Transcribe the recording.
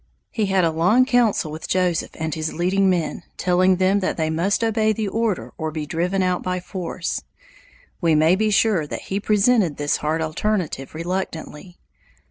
He had a long council with Joseph and his leading men, telling them they must obey the order or be driven out by force. We may be sure that he presented this hard alternative reluctantly.